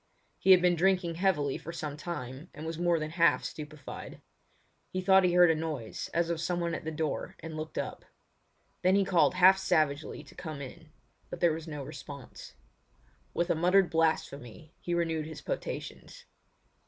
He had been drinking heavily for some time and was more than half stupefied. He thought he heard a noise as of someone at the door and looked up. Then he called half savagely to come in; but there was no response. With a muttered blasphemy he renewed his potations.